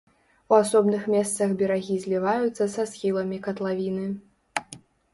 У асобных месцах берагі зліваюцца са схіламі катлавіны.